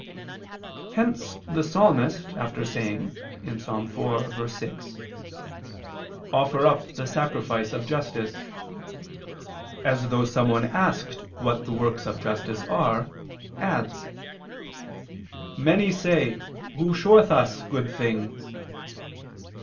Hence the Psalmist after saying (Ps. 4:6): "Offer up the sacrifice of justice," as though someone asked what the works of justice are, adds: "Many say, Who showeth us good things?"